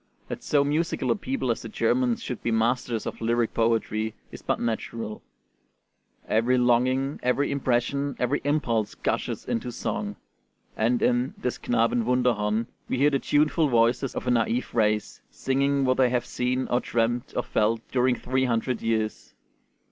That so musical a people as the Germans should be masters of lyric poetry is but natural, every longing, every impression, every impulse gushes into song; and in 'Des Knaben Wunderhorn' we hear the tuneful voices of a naïve race, singing what they have seen or dreamed or felt during three hundred years.